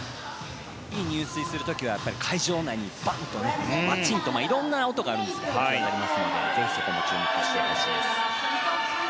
いい入水をする時は会場内にバン！とバチン！といろいろな音がしますのでぜひ、そこに注目してほしいです。